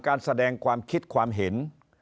การแสดงความคิดความเห็น